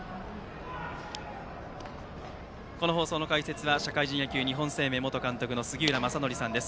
この放送の解説は社会人野球、日本生命元監督の杉浦正則さんです。